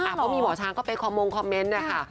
เพราะมีหมอช้างก็ไปคอมมงคอมเมนต์นะคะ